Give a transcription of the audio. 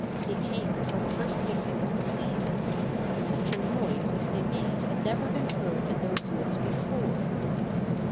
They came for the first picnic of the season, and such a noise as they made had never been heard in those woods before.